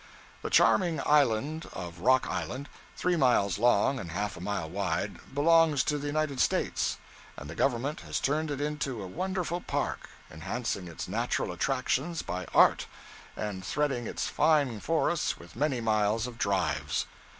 The charming island of Rock Island, three miles long and half a mile wide, belongs to the United States, and the Government has turned it into a wonderful park, enhancing its natural attractions by art, and threading its fine forests with many miles of drives.